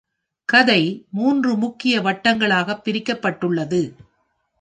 கதை மூன்று முக்கிய வட்டங்களாகப் பிரிக்கப்பட்டுள்ளது.